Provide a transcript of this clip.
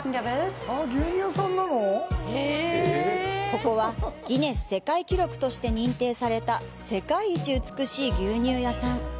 ここはギネス世界記録として認定された世界一美しい牛乳屋さん。